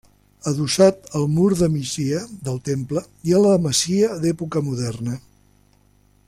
Adossat al mur de migdia del temple hi ha la masia d'època moderna.